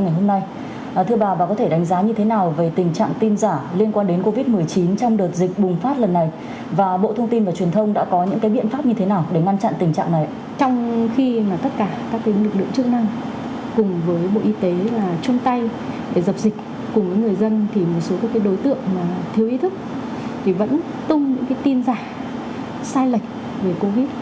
người dân một số đối tượng thiếu ý thức vẫn tung những tin giả sai lệch về covid một mươi chín